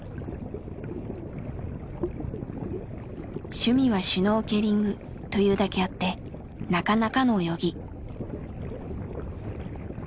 趣味はシュノーケリングというだけあってなかなかの泳ぎ。